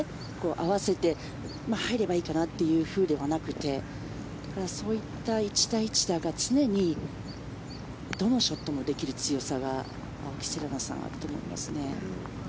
合わせて、入ればいいかなというふうではなくてそういった１打１打が常にどのショットもできる強さが青木瀬令奈はあると思いますね。